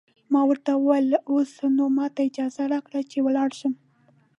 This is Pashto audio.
ما ورته وویل: اوس نو ماته اجازه راکړئ چې ولاړ شم.